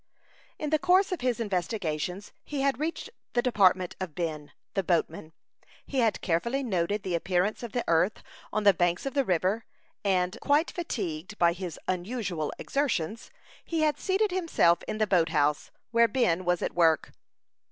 In the course of his investigations he had reached the department of Ben, the boatman. He had carefully noted the appearance of the earth on the banks of the river, and, quite fatigued by his unusual exertions, he had seated himself in the boat house, where Ben was at work.